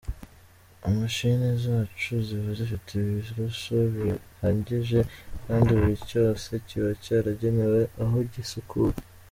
Imashini zacu ziba zifite ibiroso bihagije kandi buri cyose kiba cyaragenewe aho gisukura .